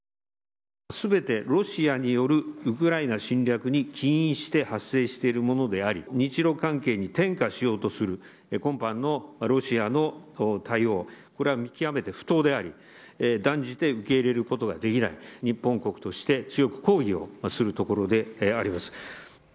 すべてロシアによるウクライナ侵略に起因して発生しているものであり、日ロ関係に転嫁しようとする、今般のロシアの対応、これは極めて不当であり、断じて受け入れることができない、日本国として強く抗議をするところであります。